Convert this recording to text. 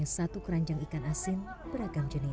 sejak subuh tadi